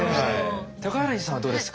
高柳さんはどうですか？